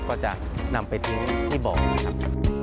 ก็จะนำไปทิ้งที่บ่อนี้ครับ